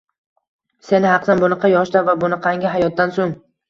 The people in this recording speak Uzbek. Sen haqsan, bunaqa yoshda va bunaqangi hayotdan soʻng…